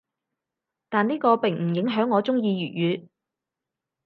但呢個並唔影響我中意粵語‘